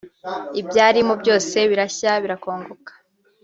ibyarimo byose birashya birakongoka